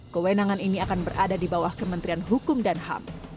kewenangan ini akan berada di bawah kementerian hukum dan ham